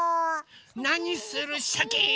なにするシャキーン。